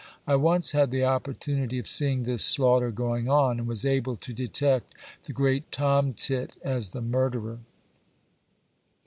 I once had the opportunity of seeing this slaughter going on, and was able to detect the great tomtit as the murderer.